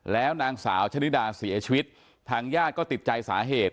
แล้วนางสาวชะนิดาเสียชีวิตทางญาติก็ติดใจสาเหตุ